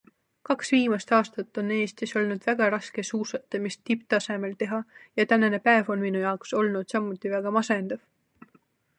Kaks viimast aastat on Eestis olnud väga raske suusatamist tipptasemel teha ja tänane päev on minu jaoks olnud samuti väga masendav.